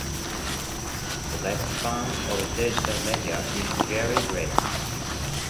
The lifespan of digital media is rarely great.